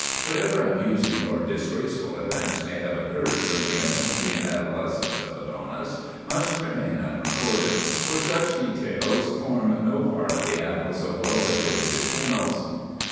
Whatever amusing or disgraceful events may have occurred during the infancy and adolescence of Adonis must remain unrecorded, for such details form no part of the annals of well regulated ken nels.